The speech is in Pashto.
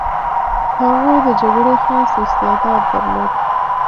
هغه د جګړې خاص استعداد درلود.